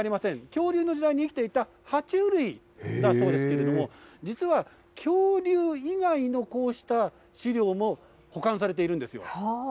恐竜の時代に生きていたは虫類だそうですけれども、実は恐竜以外のこうした資料も保管されているんですよ。